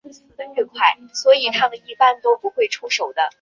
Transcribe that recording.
香港英治时期法官也译为按察司。